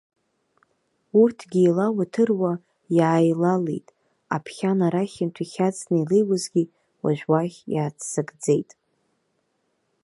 Урҭгьы еилауаҭыруа иааилалеит, аԥхьан арахьынтә ихьаҵны илеиуазгьы уажә уахь иааццакӡеит.